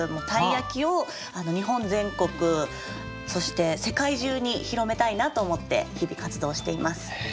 鯛焼を日本全国そして世界中に広めたいなと思って日々活動しています。